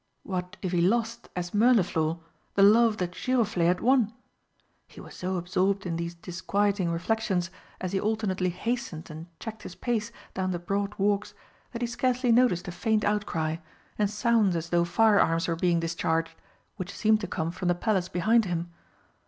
What if he lost, as Mirliflor, the love that Giroflé had won? He was so absorbed in these disquieting reflections, as he alternately hastened and checked his pace down the broad walks, that he scarcely noticed a faint outcry, and sounds as though firearms were being discharged, which seemed to come from the Palace behind him.